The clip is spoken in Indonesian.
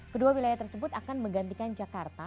kedua wilayah tersebut akan menggantikan jakarta